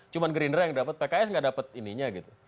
cuma gerindra yang dapat pks nggak dapat ininya gitu